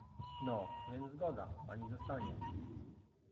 — No, więc zgoda, pani zostanie.